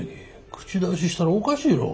口出ししたらおかしいろ。